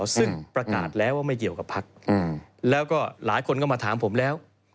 ซึ่งประกาศแล้วว่าไม่เกี่ยวกับพักแล้วก็หลายคนก็มาถามผมแล้ว